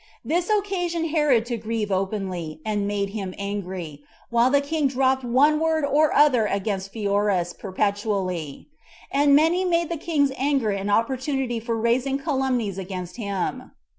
This occasioned Herod to grieve openly, and made him angry, while the king dropped one word or other against Pheroras perpetually; and many made the king's anger an opportunity for raising calumnies against him.